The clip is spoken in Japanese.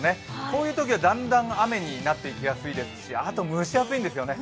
こういうときはだんだん雨になっていきやすいですしあと、蒸し暑いんですよね。